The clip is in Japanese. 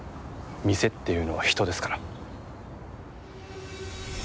店っていうのは人ですから。